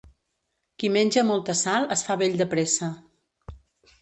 Qui menja molta sal es fa vell de pressa.